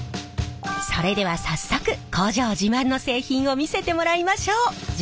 それでは早速工場自慢の製品を見せてもらいましょう！